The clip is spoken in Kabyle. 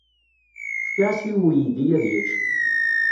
Fkiɣ-as i uydi ad yečč.